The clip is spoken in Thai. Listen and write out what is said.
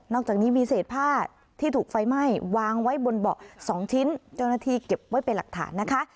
อกจากนี้มีเศษผ้าที่ถูกไฟไหม้วางไว้บนเบาะสองชิ้นเจ้าหน้าที่เก็บไว้เป็นหลักฐานนะคะ